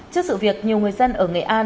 trước sự việc nhiều người dân ở nghệ an